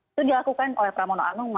itu dilakukan oleh pramono anung